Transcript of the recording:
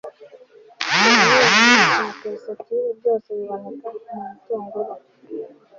selenium na quercétine byose biboneka mu bitunguru